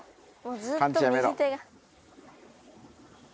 ずっと右手が。